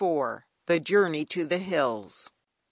THE JOURNEY TO THE HILLS.